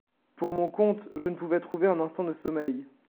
Pour mon compte, je ne pouvais trouver un instant de sommeil.